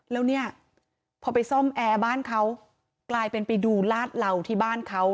แล้วเนี่ยพอไปซ่อมแอร์บ้านเขากลายเป็นไปดูลาดเหล่าที่บ้านเขา